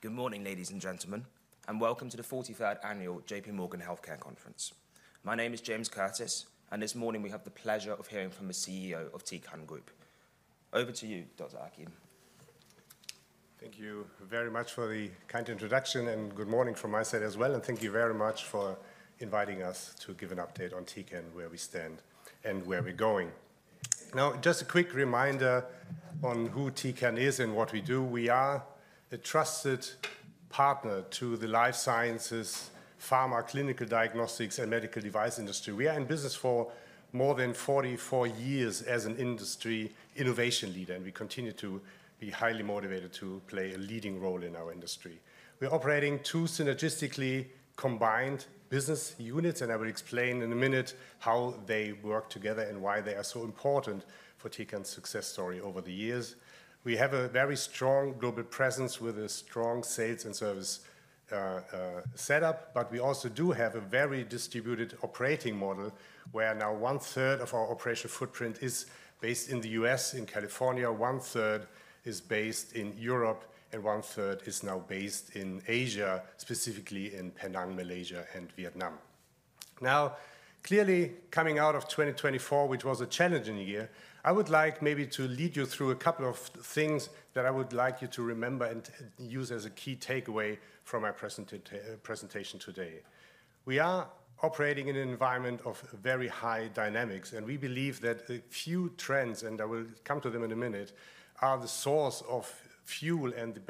Good morning, ladies and gentlemen, and welcome to the 43rd Annual JPMorgan Healthcare Conference. My name is James Curtis, and this morning we have the pleasure of hearing from the CEO of Tecan Group. Over to you, Dr. Achim. Thank you very much for the kind introduction, and good morning from my side as well, and thank you very much for inviting us to give an update on Tecan, where we stand, and where we're going. Now, just a quick reminder on who Tecan is and what we do. We are a trusted partner to the life sciences, pharma, clinical diagnostics, and medical device industry. We are in business for more than 44 years as an industry innovation leader, and we continue to be highly motivated to play a leading role in our industry. We're operating two synergistically combined business units, and I will explain in a minute how they work together and why they are so important for Tecan's success story over the years. We have a very strong global presence with a strong sales and service setup, but we also do have a very distributed operating model where now one third of our operational footprint is based in the U.S., in California, one third is based in Europe, and one third is now based in Asia, specifically in Penang, Malaysia, and Vietnam. Now, clearly coming out of 2024, which was a challenging year, I would like maybe to lead you through a couple of things that I would like you to remember and use as a key takeaway from my presentation today. We are operating in an environment of very high dynamics, and we believe that a few trends, and I will come to them in a minute, are the source of fuel and the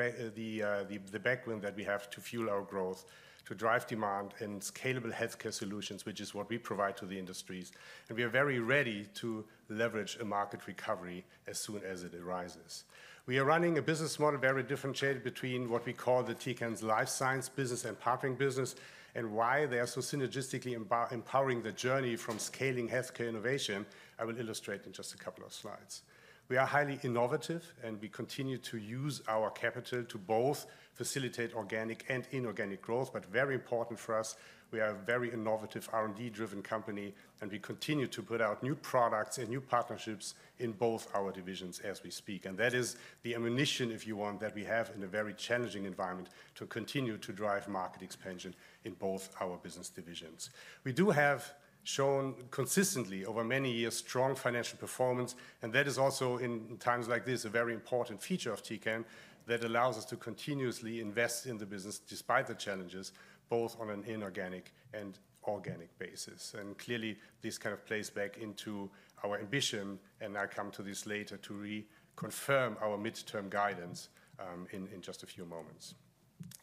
tailwind that we have to fuel our growth, to drive demand and scalable healthcare solutions, which is what we provide to the industries. And we are very ready to leverage a market recovery as soon as it arises. We are running a business model very differentiated between what we call the Tecan's Life Sciences Business and Partnering Business, and why they are so synergistically empowering the journey from scaling healthcare innovation, I will illustrate in just a couple of slides. We are highly innovative, and we continue to use our capital to both facilitate organic and inorganic growth. But very important for us, we are a very innovative R&D-driven company, and we continue to put out new products and new partnerships in both our divisions as we speak. And that is the ammunition, if you want, that we have in a very challenging environment to continue to drive market expansion in both our business divisions. We do have shown consistently over many years strong financial performance, and that is also in times like this a very important feature of Tecan that allows us to continuously invest in the business despite the challenges, both on an inorganic and organic basis. And clearly, this kind of plays back into our ambition, and I'll come to this later to reconfirm our midterm guidance in just a few moments.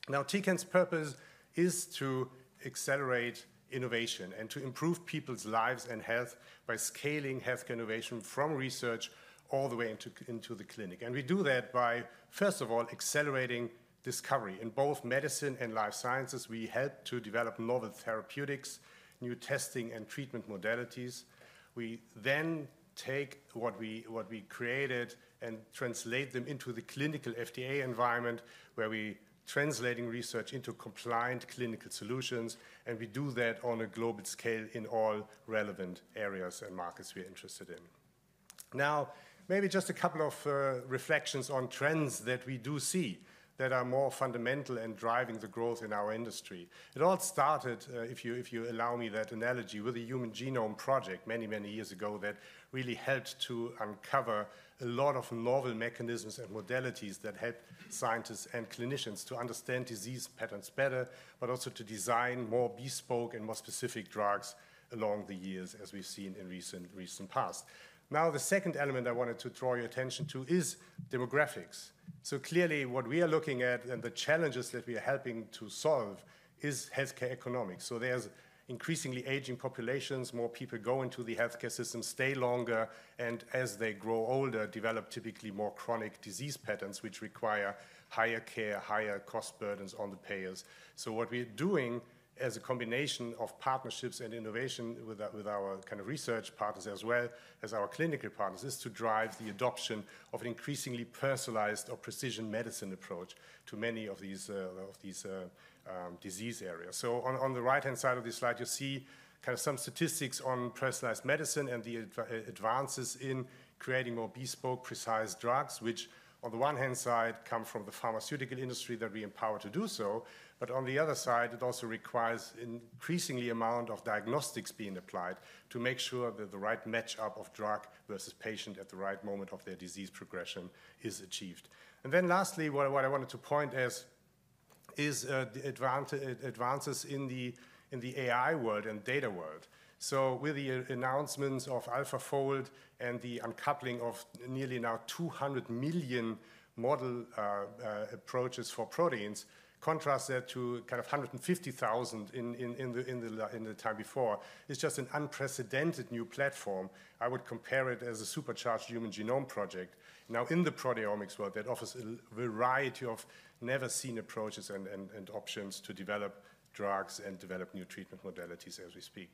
Now, Tecan's purpose is to accelerate innovation and to improve people's lives and health by scaling healthcare innovation from research all the way into the clinic, and we do that by, first of all, accelerating discovery. In both medicine and life sciences, we help to develop novel therapeutics, new testing and treatment modalities. We then take what we created and translate them into the clinical FDA environment, where we translate research into compliant clinical solutions, and we do that on a global scale in all relevant areas and markets we're interested in. Now, maybe just a couple of reflections on trends that we do see that are more fundamental and driving the growth in our industry. It all started, if you allow me that analogy, with the Human Genome Project many, many years ago that really helped to uncover a lot of novel mechanisms and modalities that help scientists and clinicians to understand disease patterns better, but also to design more bespoke and more specific drugs along the years, as we've seen in the recent past. Now, the second element I wanted to draw your attention to is demographics. So clearly, what we are looking at and the challenges that we are helping to solve is healthcare economics. So there's increasingly aging populations, more people go into the healthcare system, stay longer, and as they grow older, develop typically more chronic disease patterns, which require higher care, higher cost burdens on the payers. So what we're doing as a combination of partnerships and innovation with our kind of research partners as well as our clinical partners is to drive the adoption of an increasingly personalized or precision medicine approach to many of these disease areas. So on the right-hand side of this slide, you see kind of some statistics on personalized medicine and the advances in creating more bespoke, precise drugs, which on the one hand side come from the pharmaceutical industry that we empower to do so, but on the other side, it also requires an increasingly amount of diagnostics being applied to make sure that the right match-up of drug versus patient at the right moment of their disease progression is achieved. And then lastly, what I wanted to point as is the advances in the AI world and data world. With the announcements of AlphaFold and the uncoupling of nearly now 200 million model approaches for proteins, contrast that to kind of 150,000 in the time before. It's just an unprecedented new platform. I would compare it as a supercharged Human Genome Project. Now, in the proteomics world, that offers a variety of never-seen approaches and options to develop drugs and develop new treatment modalities as we speak.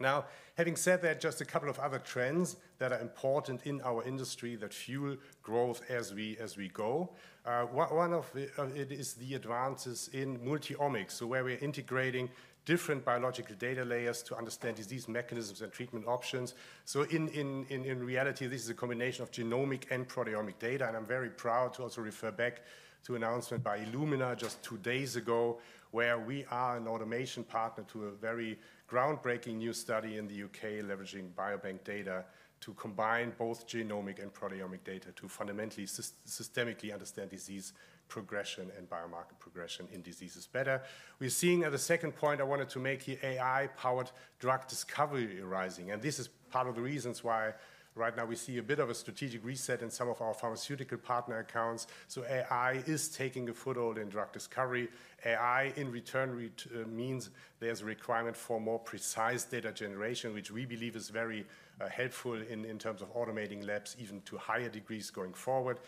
Now, having said that, just a couple of other trends that are important in our industry that fuel growth as we go. One of it is the advances in multi-omics, so where we're integrating different biological data layers to understand disease mechanisms and treatment options. So in reality, this is a combination of genomic and proteomic data, and I'm very proud to also refer back to an announcement by Illumina just two days ago where we are an automation partner to a very groundbreaking new study in the UK leveraging biobank data to combine both genomic and proteomic data to fundamentally systematically understand disease progression and biomarker progression in diseases better. We're seeing at the second point I wanted to make here, AI-powered drug discovery arising, and this is part of the reasons why right now we see a bit of a strategic reset in some of our pharmaceutical partner accounts. So AI is taking a foothold in drug discovery. AI in return means there's a requirement for more precise data generation, which we believe is very helpful in terms of automating labs even to higher degrees going forward.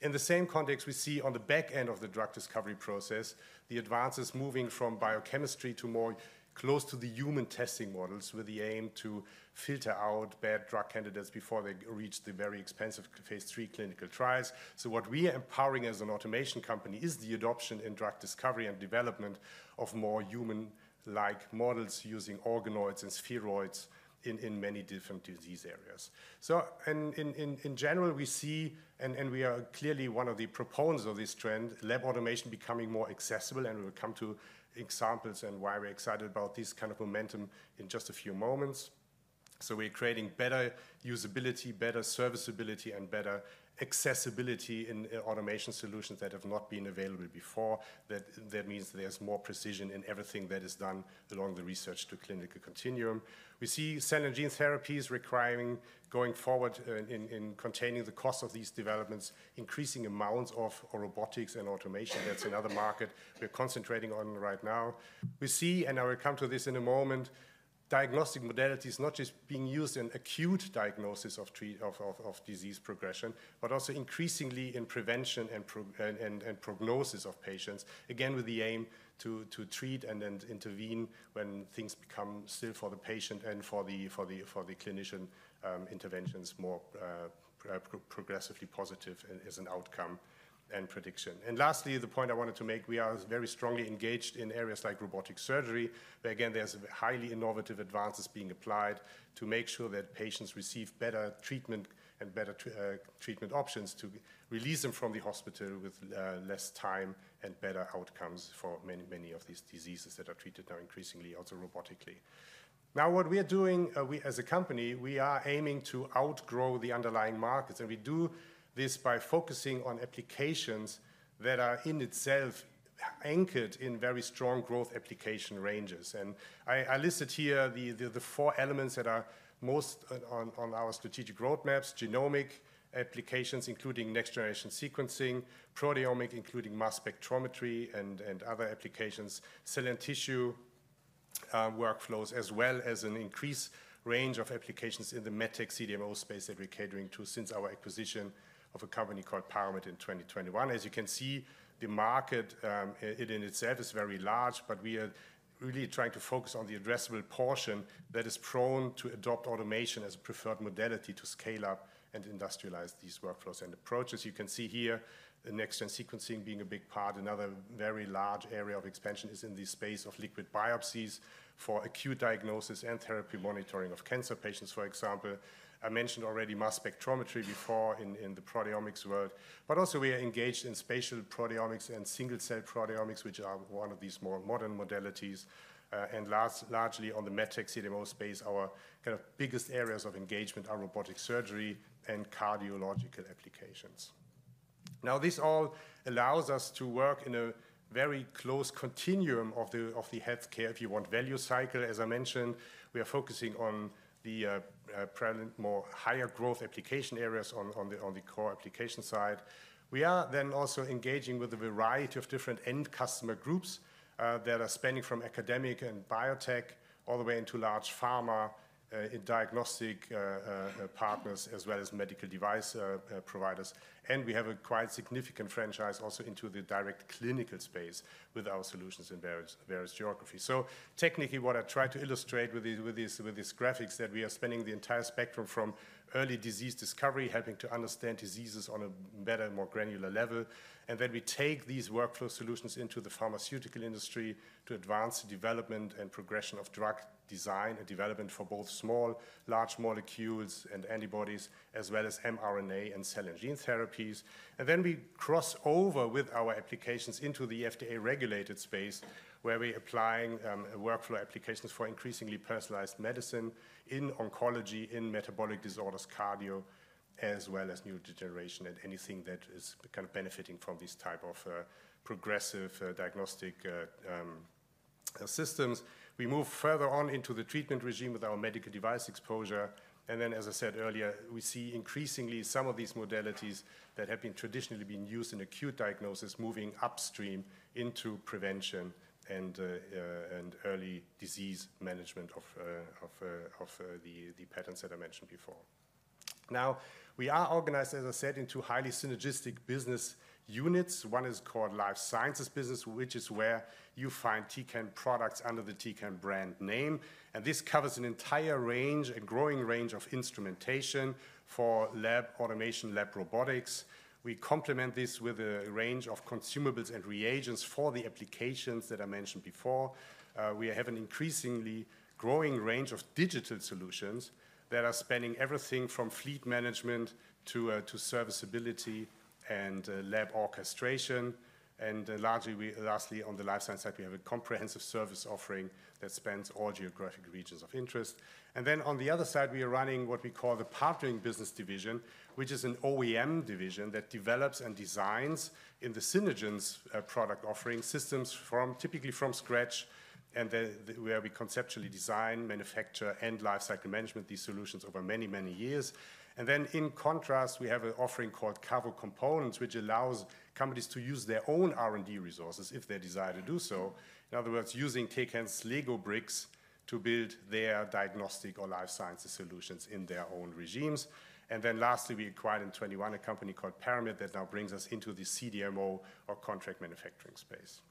In the same context, we see on the back end of the drug discovery process, the advances moving from biochemistry to more close to the human testing models with the aim to filter out bad drug candidates before they reach the very expensive phase three clinical trials. So what we are empowering as an automation company is the adoption in drug discovery and development of more human-like models using organoids and spheroids in many different disease areas. So in general, we see, and we are clearly one of the proponents of this trend, lab automation becoming more accessible, and we'll come to examples and why we're excited about this kind of momentum in just a few moments. So we're creating better usability, better serviceability, and better accessibility in automation solutions that have not been available before. That means there's more precision in everything that is done along the research to clinical continuum. We see cell and gene therapies requiring going forward in containing the cost of these developments, increasing amounts of robotics and automation. That's another market we're concentrating on right now. We see, and I will come to this in a moment, diagnostic modalities not just being used in acute diagnosis of disease progression, but also increasingly in prevention and prognosis of patients, again with the aim to treat and then intervene when things become still for the patient and for the clinician interventions more progressively positive as an outcome and prediction. Lastly, the point I wanted to make, we are very strongly engaged in areas like robotic surgery, where again, there's highly innovative advances being applied to make sure that patients receive better treatment and better treatment options to release them from the hospital with less time and better outcomes for many of these diseases that are treated now increasingly also robotically. Now, what we are doing as a company, we are aiming to outgrow the underlying markets, and we do this by focusing on applications that are in itself anchored in very strong growth application ranges. I listed here the four elements that are most on our strategic roadmaps: genomic applications, including next-generation sequencing, proteomic, including mass spectrometry, and other applications, cell and tissue workflows, as well as an increased range of applications in the medtech CDMO space that we're catering to since our acquisition of a company called Paramit in 2021. As you can see, the market in itself is very large, but we are really trying to focus on the addressable portion that is prone to adopt automation as a preferred modality to scale up and industrialize these workflows and approaches. You can see here the next-gen sequencing being a big part. Another very large area of expansion is in the space of liquid biopsies for acute diagnosis and therapy monitoring of cancer patients, for example. I mentioned already mass spectrometry before in the proteomics world, but also we are engaged in spatial proteomics and single-cell proteomics, which are one of these more modern modalities, and largely on the medtech CDMO space, our kind of biggest areas of engagement are robotic surgery and cardiological applications. Now, this all allows us to work in a very close continuum of the healthcare if you want value cycle. As I mentioned, we are focusing on the more higher growth application areas on the core application side. We are then also engaging with a variety of different end customer groups that are spanning from academic and biotech all the way into large pharma diagnostic partners as well as medical device providers, and we have a quite significant franchise also into the direct clinical space with our solutions in various geographies. Technically, what I tried to illustrate with these graphics is that we are spanning the entire spectrum from early disease discovery, helping to understand diseases on a better, more granular level, and then we take these workflow solutions into the pharmaceutical industry to advance the development and progression of drug design and development for both small, large molecules and antibodies, as well as mRNA and cell and gene therapies. And then we cross over with our applications into the FDA-regulated space, where we're applying workflow applications for increasingly personalized medicine in oncology, in metabolic disorders, cardio, as well as neurodegeneration and anything that is kind of benefiting from these types of progressive diagnostic systems. We move further on into the treatment regimen with our medical device exposure. And then, as I said earlier, we see increasingly some of these modalities that have been traditionally used in acute diagnosis moving upstream into prevention and early disease management of the patterns that I mentioned before. Now, we are organized, as I said, into highly synergistic business units. One is called life sciences business, which is where you find Tecan products under the Tecan brand name. And this covers an entire range and growing range of instrumentation for lab automation, lab robotics. We complement this with a range of consumables and reagents for the applications that I mentioned before. We have an increasingly growing range of digital solutions that are spanning everything from fleet management to serviceability and lab orchestration. And lastly, on the life science side, we have a comprehensive service offering that spans all geographic regions of interest. And then on the other side, we are running what we call the Partnering Business division, which is an OEM division that develops and designs in the Synergence product offering systems typically from scratch, and where we conceptually design, manufacture, and life cycle management these solutions over many, many years. And then in contrast, we have an offering called Cavro Components, which allows companies to use their own R&D resources if they desire to do so. In other words, using Tecan's Lego bricks to build their diagnostic or life sciences solutions in their own regimes. And then lastly, we acquired in 2021 a company called Paramit that now brings us into the CDMO or contract manufacturing space.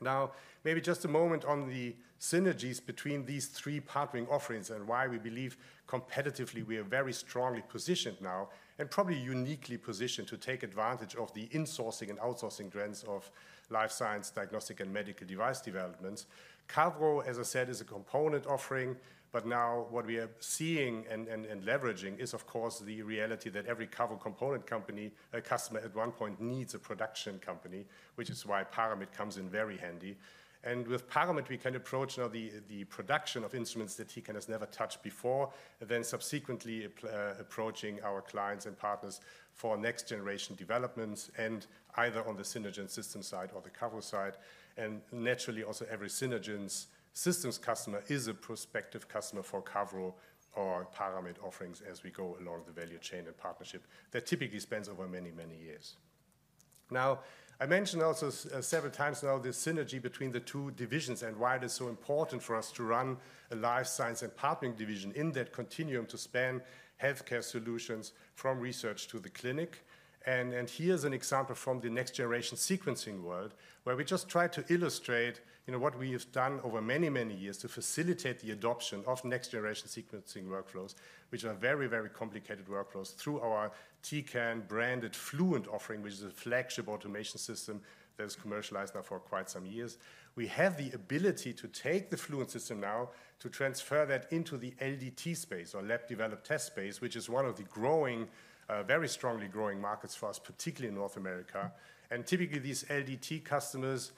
Now, maybe just a moment on the synergies between these three partnering offerings and why we believe competitively we are very strongly positioned now and probably uniquely positioned to take advantage of the insourcing and outsourcing trends of life science, diagnostic, and medical device developments. Cavro, as I said, is a component offering, but now what we are seeing and leveraging is, of course, the reality that every Cavro Component customer at one point needs a production company, which is why Paramit comes in very handy, and with Paramit, we can approach now the production of instruments that Tecan has never touched before, then subsequently approaching our clients and partners for next-generation developments either on the Synergence system side or the Cavro side. Naturally, also every Synergence systems customer is a prospective customer for Cavro or Paramit offerings as we go along the value chain and partnership that typically spans over many, many years. Now, I mentioned also several times now the synergy between the two divisions and why it is so important for us to run a life science and partnering division in that continuum to span healthcare solutions from research to the clinic. Here's an example from the next-generation sequencing world, where we just tried to illustrate what we have done over many, many years to facilitate the adoption of next-generation sequencing workflows, which are very, very complicated workflows through our Tecan branded Fluent offering, which is a flagship automation system that is commercialized now for quite some years. We have the ability to take the Fluent system now to transfer that into the LDT space or lab developed test space, which is one of the very strongly growing markets for us, particularly in North America. And typically, these LDT customers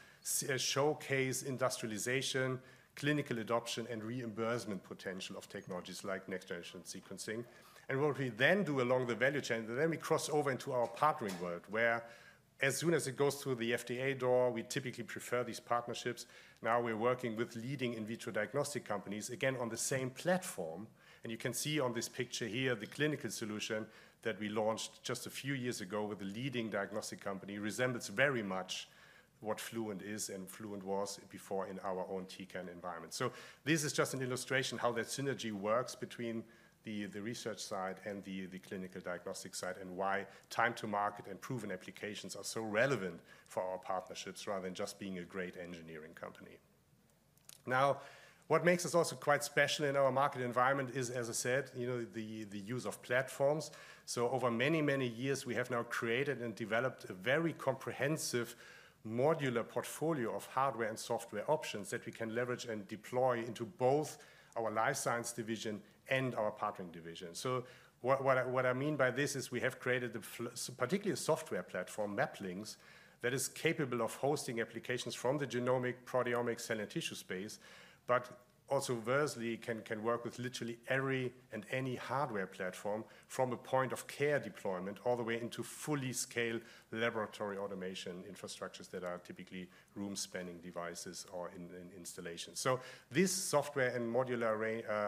showcase industrialization, clinical adoption, and reimbursement potential of technologies like next-generation sequencing. And what we then do along the value chain, then we cross over into our partnering world, where as soon as it goes through the FDA door, we typically prefer these partnerships. Now we're working with leading in vitro diagnostic companies, again on the same platform. And you can see on this picture here the clinical solution that we launched just a few years ago with a leading diagnostic company resembles very much what Fluent is and Fluent was before in our own Tecan environment. So this is just an illustration of how that synergy works between the research side and the clinical diagnostic side and why time to market and proven applications are so relevant for our partnerships rather than just being a great engineering company. Now, what makes us also quite special in our market environment is, as I said, the use of platforms, so over many, many years, we have now created and developed a very comprehensive modular portfolio of hardware and software options that we can leverage and deploy into both our life science division and our partnering division. What I mean by this is we have created a particular software platform, MAPlinx, that is capable of hosting applications from the genomic, proteomic, cell and tissue space, but also versatilely can work with literally every and any hardware platform from a point-of-care deployment all the way into full-scale laboratory automation infrastructures that are typically room-spanning devices or installations. This software and modular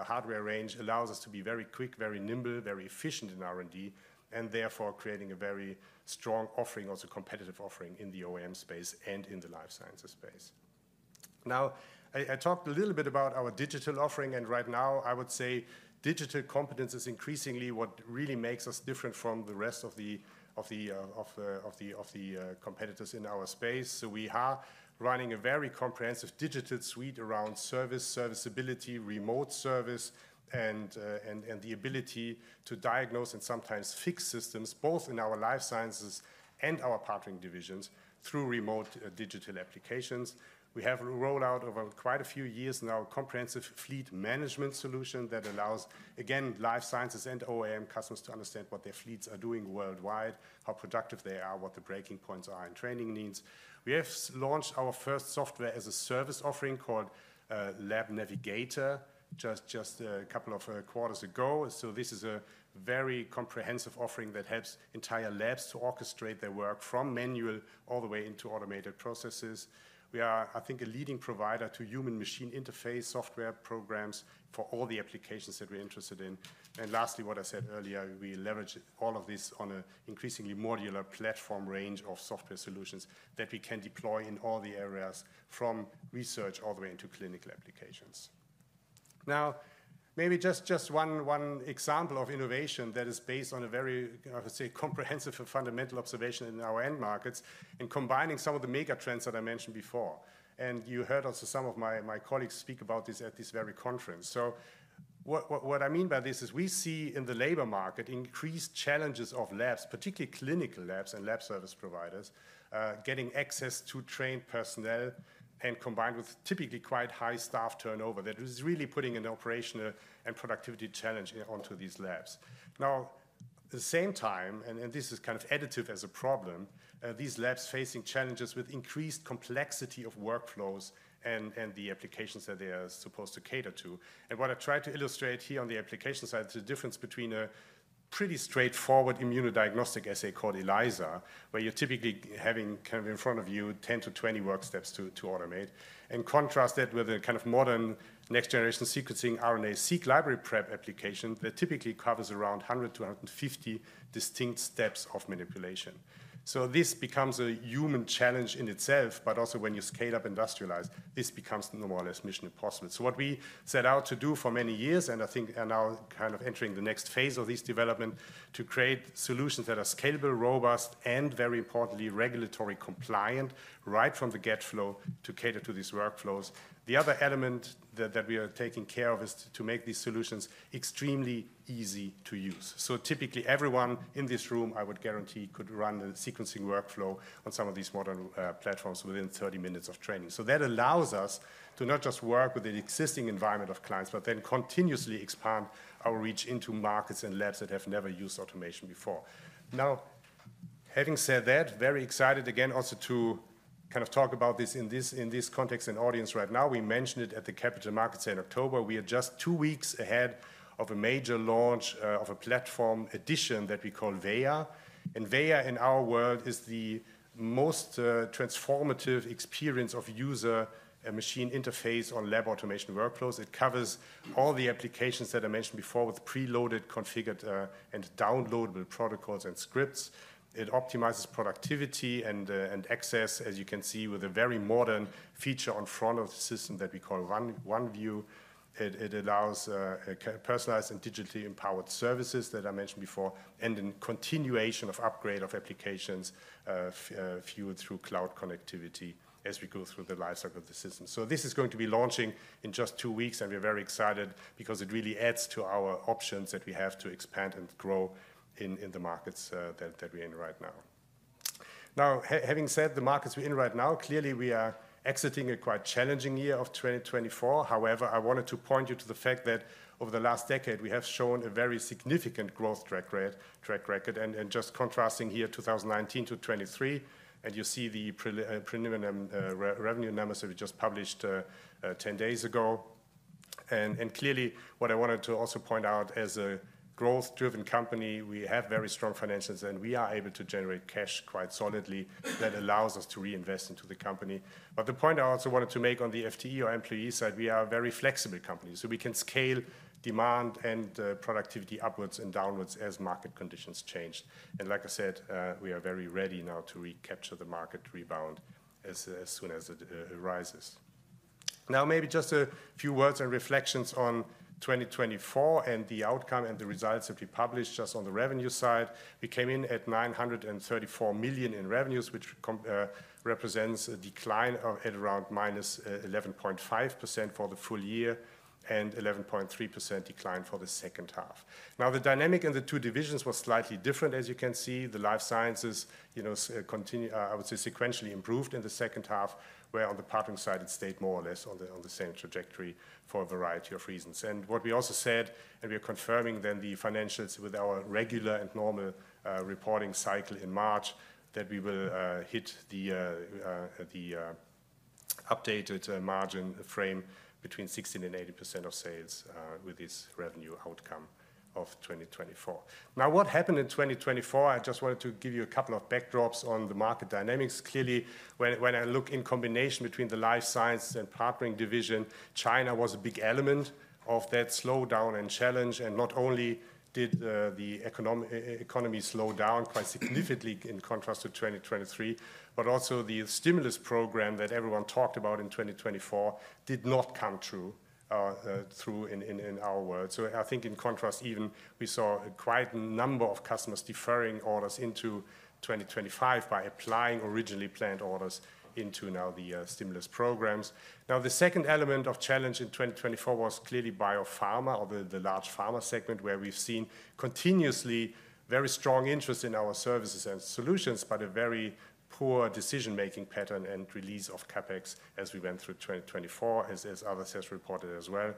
hardware range allows us to be very quick, very nimble, very efficient in R&D, and therefore creating a very strong offering, also competitive offering in the OEM space and in the life sciences space. Now, I talked a little bit about our digital offering, and right now I would say digital competence is increasingly what really makes us different from the rest of the competitors in our space. So we are running a very comprehensive digital suite around service, serviceability, remote service, and the ability to diagnose and sometimes fix systems both in our life sciences and our partnering divisions through remote digital applications. We have a rollout over quite a few years now, a comprehensive fleet management solution that allows, again, life sciences and OEM customers to understand what their fleets are doing worldwide, how productive they are, what the breaking points are in training needs. We have launched our first software as a service offering called LabNavigator just a couple of quarters ago. So this is a very comprehensive offering that helps entire labs to orchestrate their work from manual all the way into automated processes. We are, I think, a leading provider to human-machine interface software programs for all the applications that we're interested in. Lastly, what I said earlier, we leverage all of this on an increasingly modular platform range of software solutions that we can deploy in all the areas from research all the way into clinical applications. Now, maybe just one example of innovation that is based on a very comprehensive and fundamental observation in our end markets and combining some of the mega trends that I mentioned before. You heard also some of my colleagues speak about this at this very conference. What I mean by this is we see in the labor market increased challenges of labs, particularly clinical labs and lab service providers, getting access to trained personnel and combined with typically quite high staff turnover that is really putting an operational and productivity challenge onto these labs. Now, at the same time, and this is kind of additive as a problem, these labs are facing challenges with increased complexity of workflows and the applications that they are supposed to cater to. And what I tried to illustrate here on the application side is the difference between a pretty straightforward immunodiagnostic assay called ELISA, where you're typically having kind of in front of you 10 to 20 work steps to automate. And contrast that with a kind of modern next-generation sequencing RNA-seq library prep application that typically covers around 100 to 150 distinct steps of manipulation. So this becomes a human challenge in itself, but also when you scale up industrialized, this becomes more or less mission impossible. So what we set out to do for many years, and I think are now kind of entering the next phase of this development, is to create solutions that are scalable, robust, and very importantly, regulatory compliant right from the get-go to cater to these workflows. The other element that we are taking care of is to make these solutions extremely easy to use. So typically, everyone in this room, I would guarantee, could run a sequencing workflow on some of these modern platforms within 30 minutes of training. So that allows us to not just work with the existing environment of clients, but then continuously expand our reach into markets and labs that have never used automation before. Now, having said that, very excited again also to kind of talk about this in this context and audience right now. We mentioned it at the Capital Markets in October. We are just two weeks ahead of a major launch of a platform addition that we call Veya, and Veya in our world is the most transformative experience of user and machine interface on lab automation workflows. It covers all the applications that I mentioned before with preloaded, configured, and downloadable protocols and scripts. It optimizes productivity and access, as you can see, with a very modern feature on front of the system that we call OneView. It allows personalized and digitally empowered services that I mentioned before and then continuation of upgrade of applications fueled through cloud connectivity as we go through the lifecycle of the system, so this is going to be launching in just two weeks, and we're very excited because it really adds to our options that we have to expand and grow in the markets that we're in right now. Now, having said the markets we're in right now, clearly we are exiting a quite challenging year of 2024. However, I wanted to point you to the fact that over the last decade, we have shown a very significant growth track record. And just contrasting here, 2019 to 2023, and you see the preliminary revenue numbers that we just published 10 days ago. And clearly, what I wanted to also point out as a growth-driven company, we have very strong financials, and we are able to generate cash quite solidly that allows us to reinvest into the company. But the point I also wanted to make on the FTE or employee side, we are a very flexible company. So we can scale demand and productivity upwards and downwards as market conditions change. Like I said, we are very ready now to recapture the market rebound as soon as it arises. Now, maybe just a few words and reflections on 2024 and the outcome and the results that we published just on the revenue side. We came in at 934 million in revenues, which represents a decline at around minus 11.5% for the full year and 11.3% decline for the second half. Now, the dynamic in the two divisions was slightly different, as you can see. The life sciences continued, I would say, sequentially improved in the second half, where on the partnering side, it stayed more or less on the same trajectory for a variety of reasons. What we also said, and we are confirming then the financials with our regular and normal reporting cycle in March, that we will hit the updated margin frame between 16% and 80% of sales with this revenue outcome of 2024. Now, what happened in 2024? I just wanted to give you a couple of backdrops on the market dynamics. Clearly, when I look in combination between the Life Sciences and Partnering Division, China was a big element of that slowdown and challenge. And not only did the economy slow down quite significantly in contrast to 2023, but also the stimulus program that everyone talked about in 2024 did not come true in our world. So I think in contrast, even we saw quite a number of customers deferring orders into 2025 by applying originally planned orders into now the stimulus programs. Now, the second element of challenge in 2024 was clearly biopharma or the large pharma segment, where we've seen continuously very strong interest in our services and solutions, but a very poor decision-making pattern and release of CapEx as we went through 2024, as others have reported as well,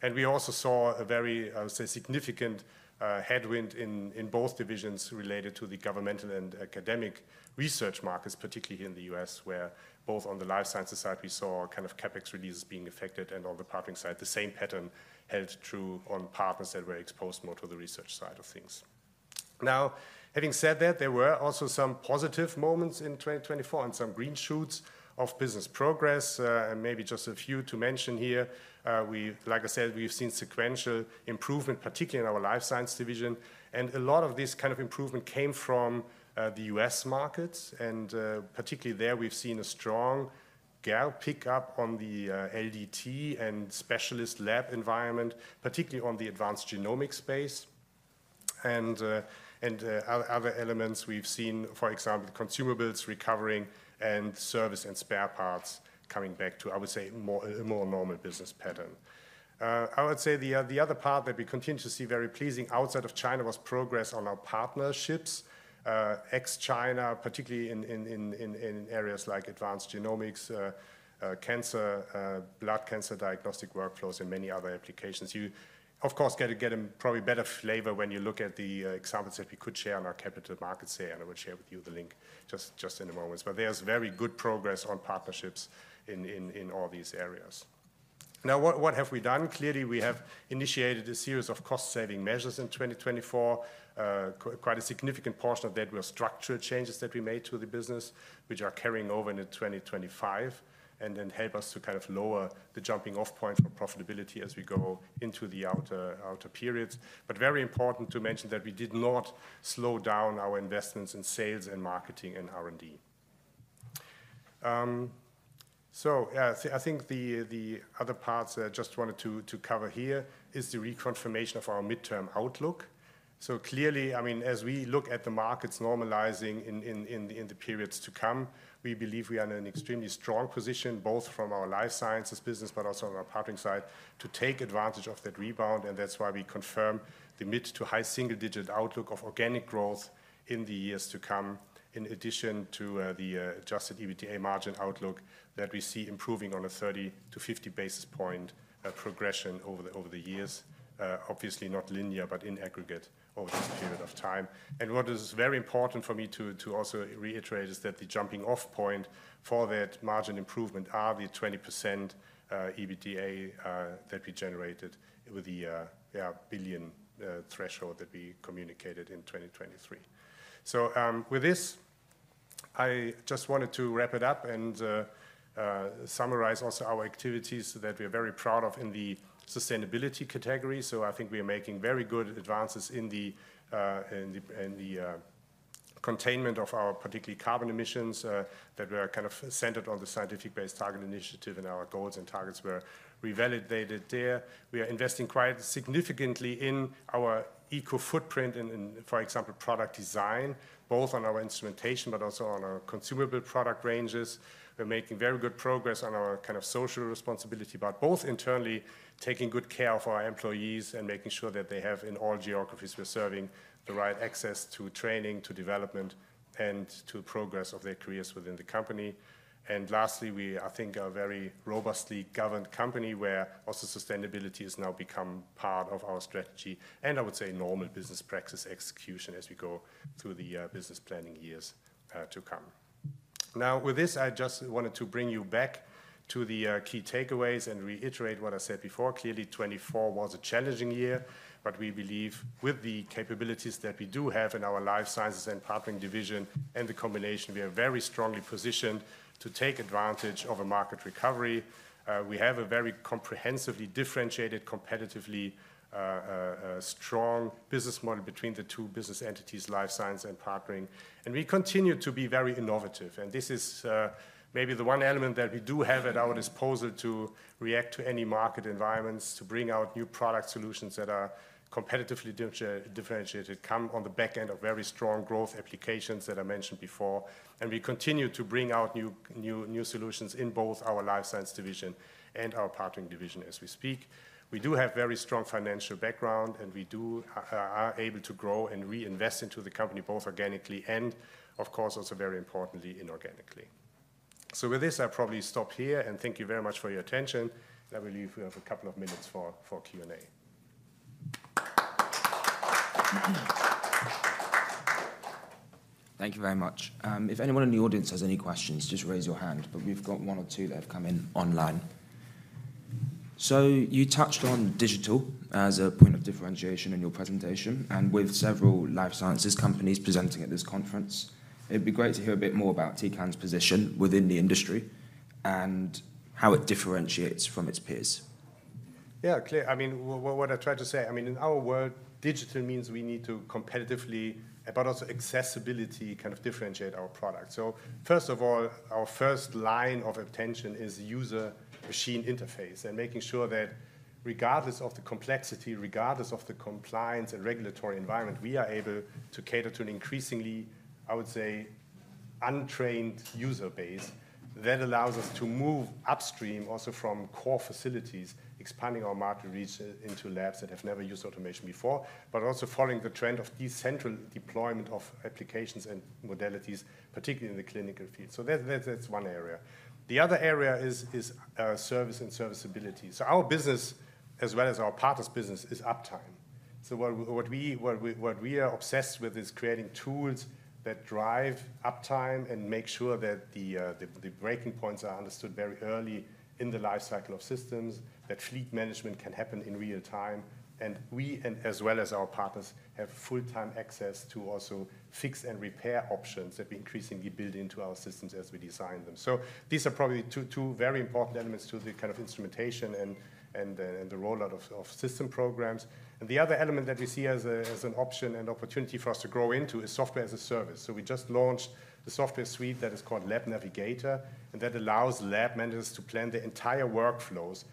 and we also saw a very, I would say, significant headwind in both divisions related to the governmental and academic research markets, particularly here in the U.S., where both on the life sciences side, we saw kind of CapEx releases being affected and on the partnering side, the same pattern held true on partners that were exposed more to the research side of things. Now, having said that, there were also some positive moments in 2024 and some green shoots of business progress, and maybe just a few to mention here. Like I said, we've seen sequential improvement, particularly in our life science division. And a lot of this kind of improvement came from the U.S. markets. And particularly there, we've seen a strong gap pickup on the LDT and specialist lab environment, particularly on the advanced genomics space. And other elements we've seen, for example, consumables recovering and service and spare parts coming back to, I would say, a more normal business pattern. I would say the other part that we continue to see very pleasing outside of China was progress on our partnerships ex-China, particularly in areas like advanced genomics, cancer, blood cancer diagnostic workflows, and many other applications. You, of course, get a probably better flavor when you look at the examples that we could share on our capital markets here, and I will share with you the link just in a moment. There's very good progress on partnerships in all these areas. Now, what have we done? Clearly, we have initiated a series of cost-saving measures in 2024. Quite a significant portion of that were structural changes that we made to the business, which are carrying over into 2025 and then help us to kind of lower the jumping-off point for profitability as we go into the outer periods. Very important to mention that we did not slow down our investments in sales and marketing and R&D. I think the other parts I just wanted to cover here is the reconfirmation of our midterm outlook. Clearly, I mean, as we look at the markets normalizing in the periods to come, we believe we are in an extremely strong position both from our life sciences business, but also on our partnering side to take advantage of that rebound. That's why we confirm the mid- to high single-digit outlook of organic growth in the years to come, in addition to the adjusted EBITDA margin outlook that we see improving on a 30-50 basis points progression over the years. Obviously, not linear, but in aggregate over this period of time. What is very important for me to also reiterate is that the jumping-off point for that margin improvement are the 20% EBITDA that we generated with the 1 billion threshold that we communicated in 2023. With this, I just wanted to wrap it up and summarize also our activities that we are very proud of in the sustainability category. I think we are making very good advances in the containment of our particularly carbon emissions that were kind of centered on the Science Based Targets initiative and our goals and targets were revalidated there. We are investing quite significantly in our eco-footprint and, for example, product design, both on our instrumentation, but also on our consumable product ranges. We're making very good progress on our kind of social responsibility, but both internally taking good care of our employees and making sure that they have in all geographies we're serving the right access to training, to development, and to progress of their careers within the company, and lastly, we, I think, are a very robustly governed company where also sustainability has now become part of our strategy and I would say normal business practice execution as we go through the business planning years to come. Now, with this, I just wanted to bring you back to the key takeaways and reiterate what I said before. Clearly, 2024 was a challenging year, but we believe with the capabilities that we do have in our life sciences and partnering division and the combination, we are very strongly positioned to take advantage of a market recovery. We have a very comprehensively differentiated, competitively strong business model between the two business entities, life science and partnering. And we continue to be very innovative. And this is maybe the one element that we do have at our disposal to react to any market environments, to bring out new product solutions that are competitively differentiated, come on the back end of very strong growth applications that I mentioned before. And we continue to bring out new solutions in both our life science division and our partnering division as we speak. We do have a very strong financial background, and we are able to grow and reinvest into the company both organically and, of course, also very importantly, inorganically. So with this, I probably stop here and thank you very much for your attention. I believe we have a couple of minutes for Q&A. Thank you very much. If anyone in the audience has any questions, just raise your hand, but we've got one or two that have come in online. So you touched on digital as a point of differentiation in your presentation, and with several life sciences companies presenting at this conference, it'd be great to hear a bit more about Tecan's position within the industry and how it differentiates from its peers. Yeah, clear. I mean, what I tried to say, I mean, in our world, digital means we need to competitively, but also accessibility kind of differentiate our product. So first of all, our first line of attention is user-machine interface and making sure that regardless of the complexity, regardless of the compliance and regulatory environment, we are able to cater to an increasingly, I would say, untrained user base that allows us to move upstream also from core facilities, expanding our market reach into labs that have never used automation before, but also following the trend of decentral deployment of applications and modalities, particularly in the clinical field. So that's one area. The other area is service and serviceability. So our business, as well as our partner's business, is uptime. So what we are obsessed with is creating tools that drive uptime and make sure that the breaking points are understood very early in the life cycle of systems, that fleet management can happen in real time. And we, as well as our partners, have full-time access to also fix and repair options that we increasingly build into our systems as we design them. So these are probably two very important elements to the kind of instrumentation and the rollout of system programs. And the other element that we see as an option and opportunity for us to grow into is software as a service. We just launched the software suite that is called LabNavigator, and that allows lab managers to plan their entire workflows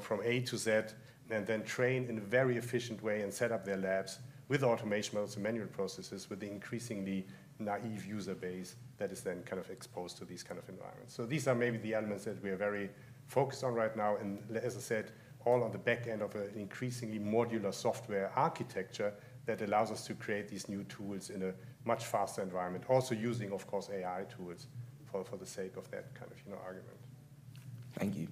from A to Z and then train in a very efficient way and set up their labs with automation models and manual processes with the increasingly naive user base that is then kind of exposed to these kinds of environments. These are maybe the elements that we are very focused on right now. As I said, all on the back end of an increasingly modular software architecture that allows us to create these new tools in a much faster environment, also using, of course, AI tools for the sake of that kind of argument. Thank you.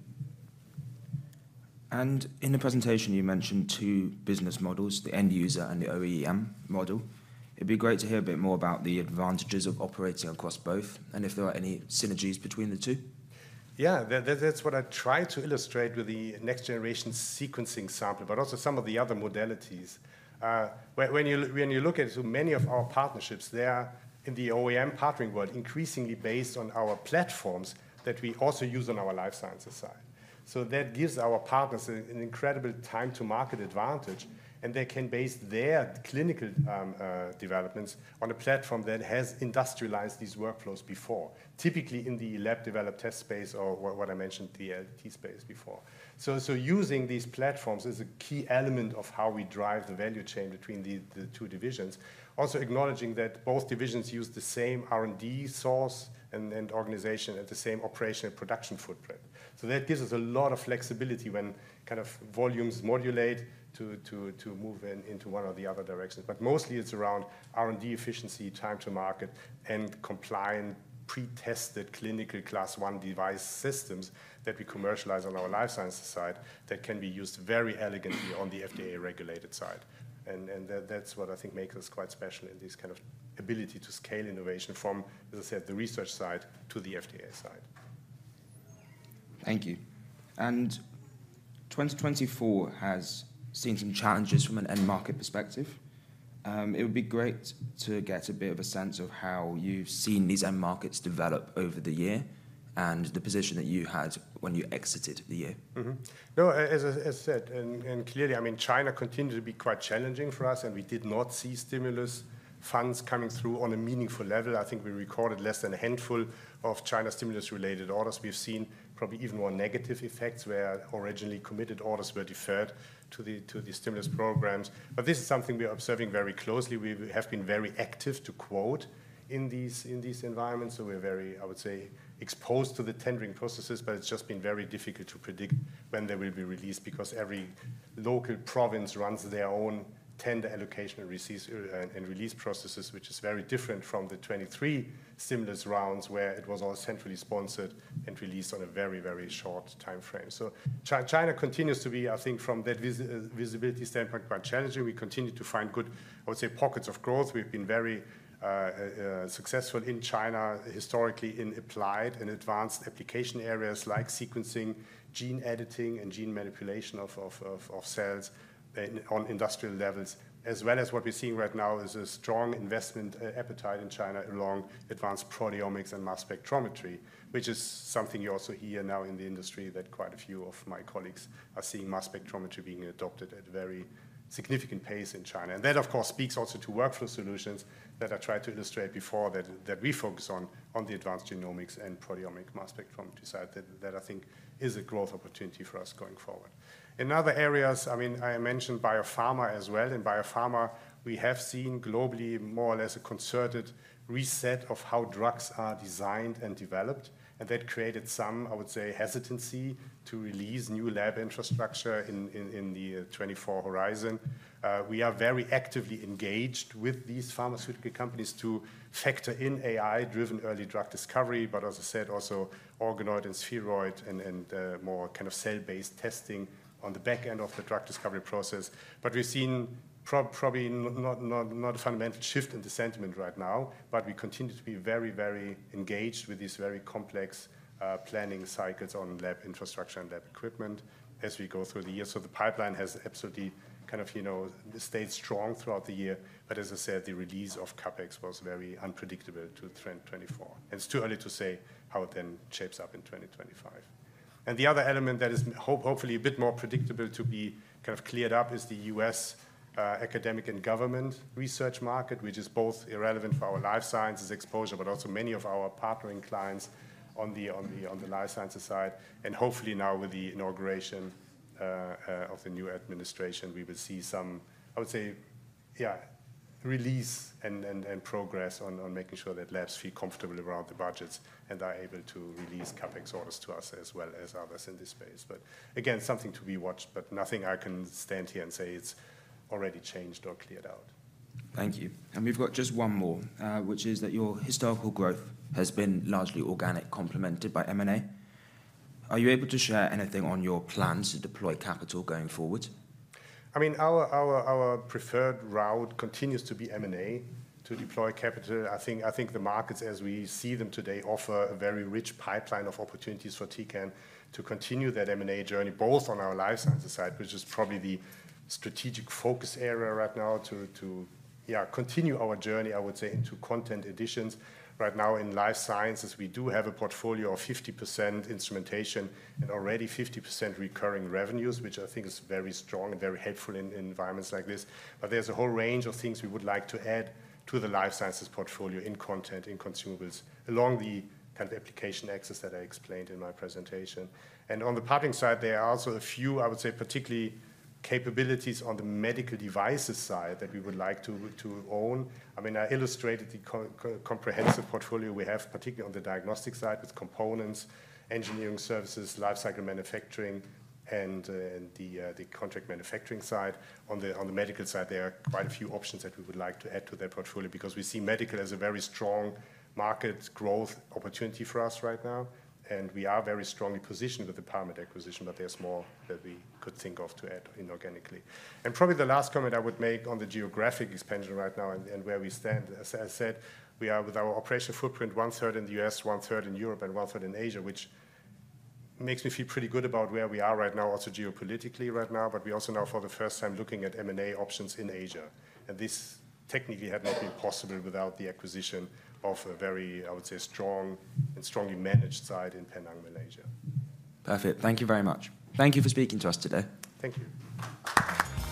In the presentation, you mentioned two business models, the end user and the OEM model. It'd be great to hear a bit more about the advantages of operating across both and if there are any synergies between the two. Yeah, that's what I tried to illustrate with the next-generation sequencing sample, but also some of the other modalities. When you look at many of our partnerships, they are in the OEM partnering world, increasingly based on our platforms that we also use on our life sciences side. So that gives our partners an incredible time-to-market advantage, and they can base their clinical developments on a platform that has industrialized these workflows before, typically in the lab-developed test space or what I mentioned, the LDT space before. So using these platforms is a key element of how we drive the value chain between the two divisions, also acknowledging that both divisions use the same R&D source and organization and the same operational production footprint. So that gives us a lot of flexibility when kind of volumes modulate to move into one or the other directions. But mostly, it's around R&D efficiency, time-to-market, and compliant pre-tested clinical class one device systems that we commercialize on our life sciences side that can be used very elegantly on the FDA regulated side. And that's what I think makes us quite special in this kind of ability to scale innovation from, as I said, the research side to the FDA side. Thank you. And 2024 has seen some challenges from an end market perspective. It would be great to get a bit of a sense of how you've seen these end markets develop over the year and the position that you had when you exited the year. No, as I said, and clearly, I mean, China continues to be quite challenging for us, and we did not see stimulus funds coming through on a meaningful level. I think we recorded less than a handful of China stimulus-related orders. We've seen probably even more negative effects where originally committed orders were deferred to the stimulus programs. But this is something we are observing very closely. We have been very active to quote in these environments. So we're very, I would say, exposed to the tendering processes, but it's just been very difficult to predict when they will be released because every local province runs their own tender allocation and release processes, which is very different from the 2023 stimulus rounds where it was all centrally sponsored and released on a very, very short timeframe. So China continues to be, I think, from that visibility standpoint, quite challenging. We continue to find good, I would say, pockets of growth. We've been very successful in China historically in applied and advanced application areas like sequencing, gene editing, and gene manipulation of cells on industrial levels, as well as what we're seeing right now is a strong investment appetite in China along advanced proteomics and mass spectrometry, which is something you also hear now in the industry that quite a few of my colleagues are seeing mass spectrometry being adopted at a very significant pace in China, and that, of course, speaks also to workflow solutions that I tried to illustrate before that we focus on the advanced genomics and proteomic mass spectrometry side that I think is a growth opportunity for us going forward. In other areas, I mean, I mentioned biopharma as well. In biopharma, we have seen globally more or less a concerted reset of how drugs are designed and developed, and that created some, I would say, hesitancy to release new lab infrastructure in the 2024 horizon. We are very actively engaged with these pharmaceutical companies to factor in AI-driven early drug discovery, but as I said, also organoid and spheroid and more kind of cell-based testing on the back end of the drug discovery process. But we've seen probably not a fundamental shift in the sentiment right now, but we continue to be very, very engaged with these very complex planning cycles on lab infrastructure and lab equipment as we go through the years. So the pipeline has absolutely kind of stayed strong throughout the year. But as I said, the release of CapEx was very unpredictable to 2024. It's too early to say how it then shapes up in 2025. The other element that is hopefully a bit more predictable to be kind of cleared up is the U.S. academic and government research market, which is both irrelevant for our life sciences exposure, but also many of our partnering clients on the life sciences side. Hopefully now with the inauguration of the new administration, we will see some, I would say, yeah, release and progress on making sure that labs feel comfortable around the budgets and are able to release CapEx orders to us as well as others in this space. But again, something to be watched, but nothing I can stand here and say it's already changed or cleared out. Thank you. We've got just one more, which is that your historical growth has been largely organic, complemented by M&A. Are you able to share anything on your plans to deploy capital going forward? I mean, our preferred route continues to be M&A to deploy capital. I think the markets, as we see them today, offer a very rich pipeline of opportunities for Tecan to continue that M&A journey, both on our life sciences side, which is probably the strategic focus area right now to continue our journey, I would say, into content additions. Right now in life sciences, we do have a portfolio of 50% instrumentation and already 50% recurring revenues, which I think is very strong and very helpful in environments like this. But there's a whole range of things we would like to add to the life sciences portfolio in content, in consumables, along the kind of application axis that I explained in my presentation. And on the partnering side, there are also a few, I would say, particularly capabilities on the medical devices side that we would like to own. I mean, I illustrated the comprehensive portfolio we have, particularly on the diagnostic side with components, engineering services, life cycle manufacturing, and the contract manufacturing side. On the medical side, there are quite a few options that we would like to add to that portfolio because we see medical as a very strong market growth opportunity for us right now. And we are very strongly positioned with the Paramit acquisition, but there's more that we could think of to add inorganically. And probably the last comment I would make on the geographic expansion right now and where we stand. As I said, we are with our operational footprint, one-third in the U.S., one-third in Europe, and one-third in Asia, which makes me feel pretty good about where we are right now, also geopolitically right now, but we also now, for the first time, looking at M&A options in Asia, and this technically had not been possible without the acquisition of a very, I would say, strong and strongly managed site in Penang, Malaysia. Perfect. Thank you very much. Thank you for speaking to us today. Thank you.